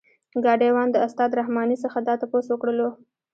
ګاډی وان د استاد رحماني څخه دا تپوس وکړلو.